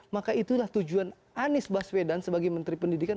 maka itulah tujuan anies baswedan sebagai menteri pendidikan